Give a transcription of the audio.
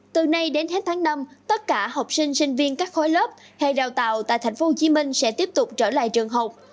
từ nay đến hết tháng năm tất cả học sinh sinh viên các khối lớp hay đào tạo tại tp hcm sẽ tiếp tục trở lại trường học